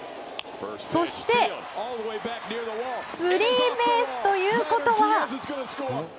そしてスリーベースということは？